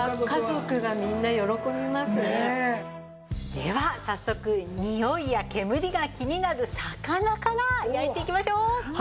では早速においや煙が気になる魚から焼いていきましょう！